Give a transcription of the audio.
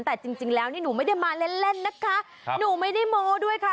แต่จริงแล้วนี่หนูไม่ได้มาเล่นเล่นนะคะหนูไม่ได้โม้ด้วยค่ะ